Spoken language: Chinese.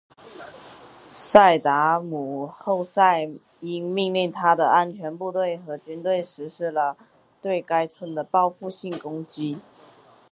萨达姆侯赛因命令他的安全部队和军队实施了对该村的报复性攻击。